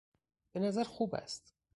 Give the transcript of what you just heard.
به نظر خوب است.